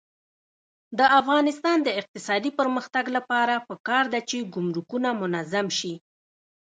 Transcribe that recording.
د افغانستان د اقتصادي پرمختګ لپاره پکار ده چې ګمرکونه منظم شي.